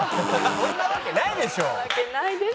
そんなわけないです。